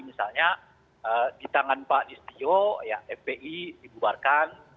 misalnya di tangan pak listio ya fpi dibuarkan